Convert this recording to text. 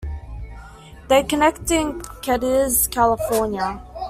They connect in Cadiz, California.